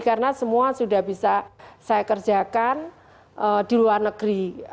karena semua sudah bisa saya kerjakan di luar negeri